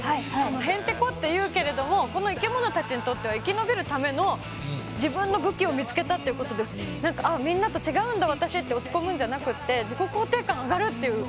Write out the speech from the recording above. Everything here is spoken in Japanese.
へんてこって言うけれどもこの生き物たちにとっては生き延びるための自分の武器を見つけたということで「ああみんなと違うんだ私」って落ち込むんじゃなくって自己肯定感上がるっていう。